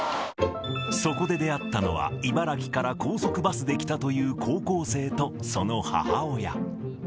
そこで出会ったのは、茨城から高速バスで来たという高校生とその母親。